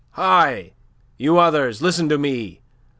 Hi! You others, listen to me!